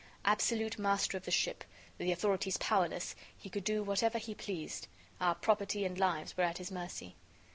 Absolute master of the ship, the authorities powerless, he could do whatever he pleased; our property and lives were at his mercy.